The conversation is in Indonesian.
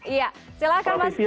iya silahkan mas